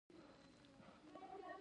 د سمنګان په دره صوف پاین کې سکاره شته.